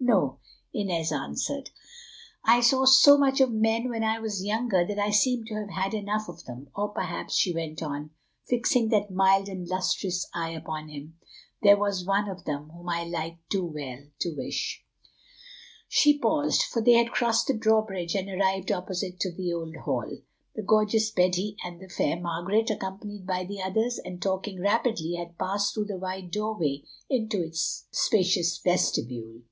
"No," Inez answered; "I saw so much of men when I was younger that I seem to have had enough of them. Or perhaps," she went on, fixing that mild and lustrous eye upon him, "there was one of them whom I liked too well to wish——" She paused, for they had crossed the drawbridge and arrived opposite to the Old Hall. The gorgeous Betty and the fair Margaret, accompanied by the others, and talking rapidly, had passed through the wide doorway into its spacious vestibule.